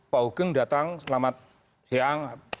pak ugeng datang selamat siang